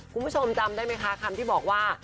คุณผู้ชมจำได้ไหมคะคำที่บอกว่า